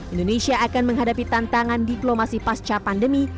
indonesia akan menghadapi tantangan diplomasi pasca pandemi